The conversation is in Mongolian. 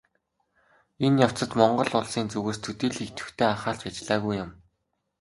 Энэ явцад Монгол Улсын зүгээс төдийлөн идэвхтэй анхаарч ажиллаагүй юм.